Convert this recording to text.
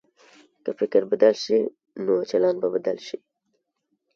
که فکر بدل شي، نو چلند به بدل شي.